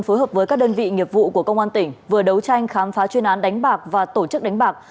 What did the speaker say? phối hợp với các đơn vị nghiệp vụ của công an tỉnh vừa đấu tranh khám phá chuyên án đánh bạc và tổ chức đánh bạc